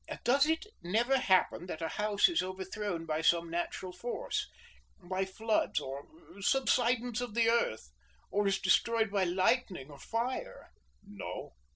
"Does it never happen that a house is overthrown by some natural force by floods, or subsidence of the earth, or is destroyed by lightning or fire?" "No!"